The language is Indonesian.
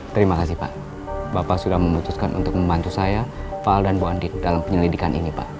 terima kasih pak bapak sudah memutuskan untuk membantu saya fal dan bu andi dalam penyelidikan ini pak